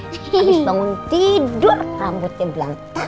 abis bangun tidur rambutnya belantakan